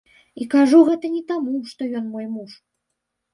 І кажу гэта не таму, што ён мой муж.